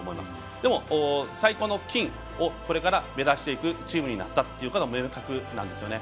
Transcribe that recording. でも、最高の金をこれから目指していくチームになったことは明確なんですよね。